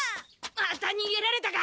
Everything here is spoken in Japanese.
またにげられたか。